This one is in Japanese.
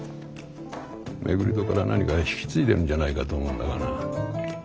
廻戸から何か引き継いでるんじゃないかと思うんだがな。